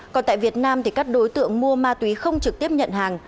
còn tại việt nam thì các đối tượng mua ma túy không trực tiếp nhận hàng